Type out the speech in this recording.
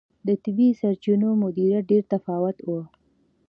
د طبیعي سرچینو مدیریت ډېر متفاوت و.